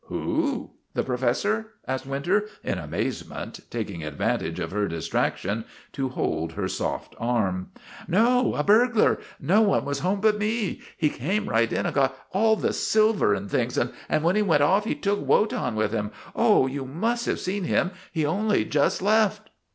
' "Who? The professor?' asked Winter in amazement, taking advantage of her distraction to hold her soft arm. " No, a burglar ! No one was home but me. He came right in and got all the silver and things, and when he went off he took Wotan with him. Oh, you must have seen him. He only just left."